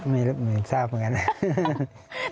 ไม่รู้รู้ทราบเหมือนกัน